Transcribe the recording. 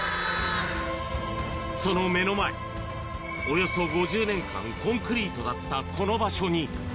その目の前、およそ５０年間コンクリートだったこの場所に。